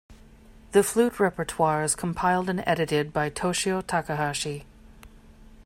The flute repertoire is compiled and edited by Toshio Takahashi.